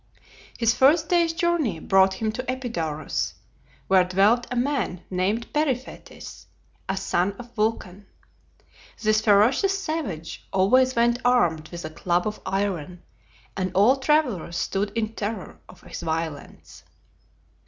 His first day's journey brought him to Epidaurus, where dwelt a man named Periphetes, a son of Vulcan. This ferocious savage always went armed with a club of iron, and all travellers stood in terror of his violence.